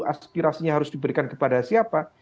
aspirasinya harus diberikan kepada siapa